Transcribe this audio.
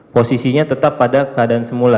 posisinya tetap pada keadaan semula